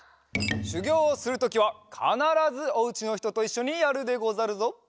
しゅぎょうをするときはかならずおうちのひとといっしょにやるでござるぞ。